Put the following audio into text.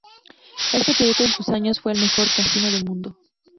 Este proyecto en sus años fue el mejor casino del mundo.